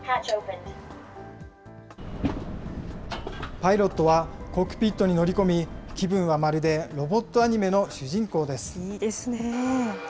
パイロットはコックピットに乗り込み、気分はまるでロボットアニいいですね。